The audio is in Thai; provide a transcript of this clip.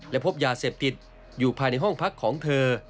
และพบยาเสพติดอยู่ภายในห้องพักของเธอ